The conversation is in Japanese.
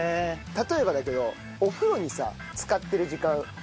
例えばだけどお風呂にさ浸かってる時間あるでしょ？